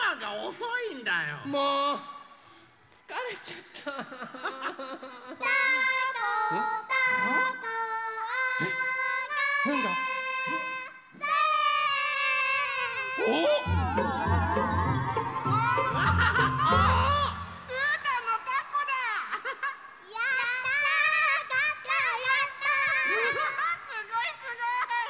うわすごいすごい！